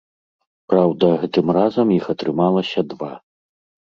Праўда, гэтым разам іх атрымалася два.